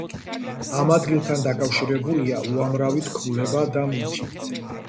ამ ადგილთან დაკავშირებულია უამრავი თქმულება და მითი.